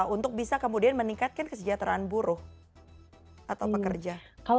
untuk bisa kemudian meningkatkan kesejahteraan buruh atau pekerja